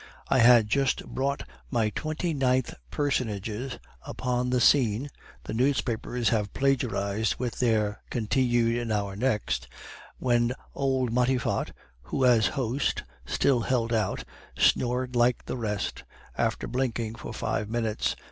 I had just brought my twenty ninth personage upon the scene (the newspapers have plagiarized with their 'continued in our next'), when old Matifat, who as host still held out, snored like the rest, after blinking for five minutes.